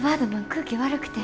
空気悪くて。